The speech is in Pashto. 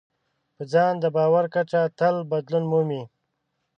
په ځان د باور کچه تل بدلون مومي.